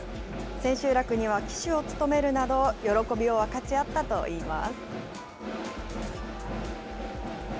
千秋楽には旗手を務めるなど喜びを分かち合ったと言います。